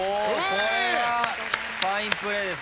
これもファインプレー。